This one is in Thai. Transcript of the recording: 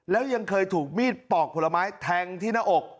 แล้วยังเคยถูกมีดปอกผลไม้แทงที่หน้าอก